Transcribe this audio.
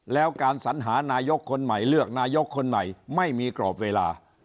แล้วการสัญหานายกคนใหม่เลือกนายกคนใหม่ไม่มีกรอบเวลา